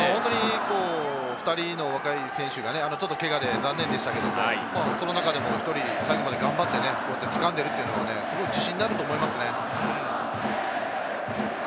２人の若い選手が、ちょっとけがで残念でしたけど、その中でも１人、最後頑張って掴んでいるというのが自信になると思います。